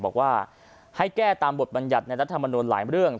บอกว่าให้แก้ตามบทบรรยัติในรัฐมนุนหลายเรื่อง